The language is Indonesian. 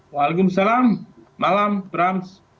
waalaikumsalam malam berhams